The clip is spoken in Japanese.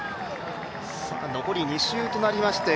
残り２周となりまして